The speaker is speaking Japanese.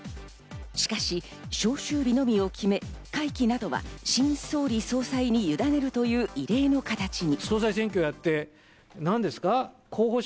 しかし召集日のみを決め、会期などは新総理・総裁にゆだねるという異例の形に。